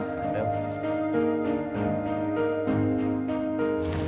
loh kok mereka berdua disini